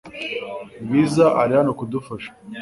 Bwiza ari hano kudufasha .